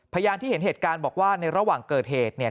พยานที่เห็นเหตุการณ์บอกว่าในระหว่างเกิดเหตุเนี่ย